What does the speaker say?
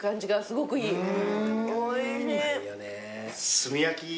炭焼き。